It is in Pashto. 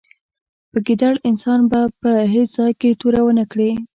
په ګیدړ انسان به په هېڅ ځای کې توره و نه کړې.